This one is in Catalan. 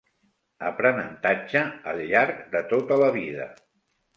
Aprenentatge al llarg de tota la vida